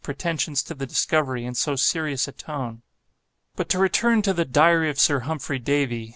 pretensions to the discovery, in so serious a tone. But to return to the 'Diary' of Sir Humphrey Davy.